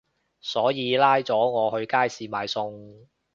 所以拉咗我去街市買餸